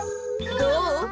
どう？